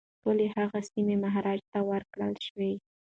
ټولي هغه سیمي مهاراجا ته ورکړل شوې.